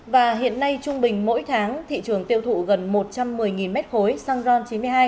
và hiện nay trung bình mỗi tháng thị trường tiêu thụ gần một trăm một mươi m ba xăng ron chín mươi hai